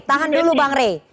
tahan dulu bang rey